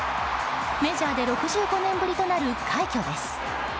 メジャーで６５年ぶりとなる快挙です。